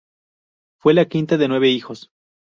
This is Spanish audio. Fue la quinta de nueve hijos.